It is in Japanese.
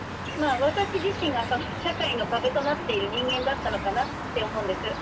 まあ私自身が社会の壁となっている人間だったのかなって思うんです。